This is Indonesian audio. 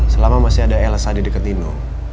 selama masih ada elsa di dekat tino